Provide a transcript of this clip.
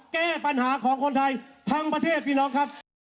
แก้ปัญหาของคนไทยทั้งประเทศพี่น้องครับ